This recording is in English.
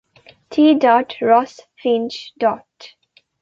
T. Ross Finch.